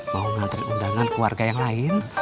mau ngantri undangan keluarga yang lain